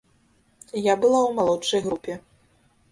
Я была ў малодшай групе.